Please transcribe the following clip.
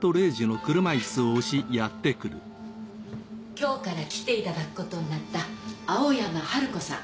今日から来ていただくことになった青山春子さん。